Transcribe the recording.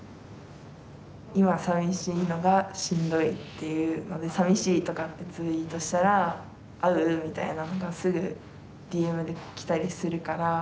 今さみしいのがしんどいっていうのでさみしいとかってツイートしたら「会う？」みたいなのがすぐＤＭで来たりするから。